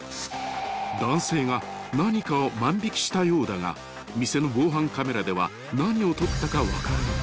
［男性が何かを万引したようだが店の防犯カメラでは何を取ったか分からない］